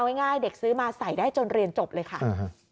ง่ายเด็กซื้อมาใส่ได้จนเรียนจบเลยค่ะ